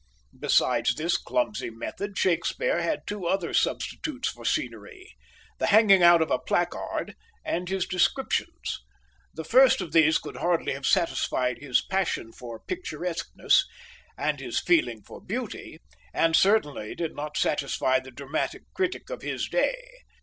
Besides this clumsy method, Shakespeare had two other substitutes for scenery the hanging out of a placard, and his descriptions. The first of these could hardly have satisfied his passion for picturesqueness and his feeling for beauty, and certainly did not satisfy the dramatic critic of his day.